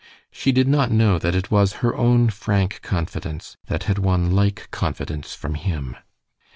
She did not know that it was her own frank confidence that had won like confidence from him.